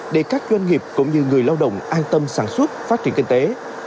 để các doanh nghiệp cũng như người lao động an tâm sản xuất phát triển kinh tế